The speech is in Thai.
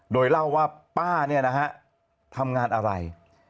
โดยเล่าว่าป้าทำงานอะไร